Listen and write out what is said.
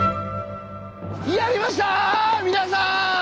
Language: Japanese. やりました皆さん！